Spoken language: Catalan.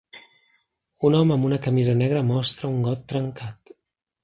Un home amb una camisa negra mostra un got trencat.